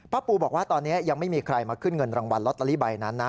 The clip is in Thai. ปูบอกว่าตอนนี้ยังไม่มีใครมาขึ้นเงินรางวัลลอตเตอรี่ใบนั้นนะ